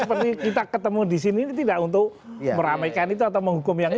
seperti kita ketemu di sini ini tidak untuk meramaikan itu atau menghukum yang itu